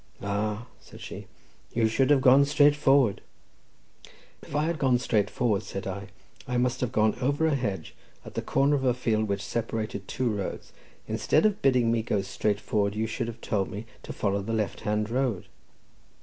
"Ah," said she, "you should have gone straight forward." "If I had gone straight forward," said I, "I must have gone over a hedge, at the corner of a field which separated two roads; instead of bidding me go straight forward, you should have told me to follow the left hand road."